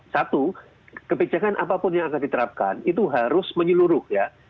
satu kebijakan apapun yang akan diterapkan itu harus menyeluruh ya